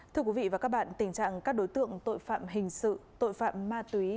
thưa quý vị và các bạn tình trạng các đối tượng tội phạm hình sự tội phạm ma túy